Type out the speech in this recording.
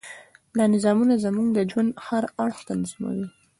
دا نظامونه زموږ د ژوند هر اړخ تنظیموي.